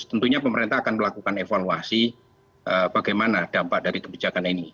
tentunya pemerintah akan melakukan evaluasi bagaimana dampak dari kebijakan ini